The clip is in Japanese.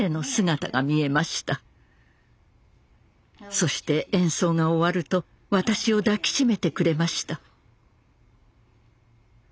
そして演奏が終わると私を抱き締めてくれました。